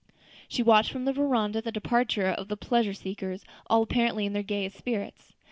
She watched from the veranda the departure of the pleasure seekers, all apparently in the gayest spirits.